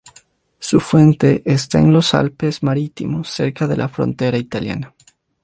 Su fuente está en los Alpes marítimos, cerca de la frontera italiana.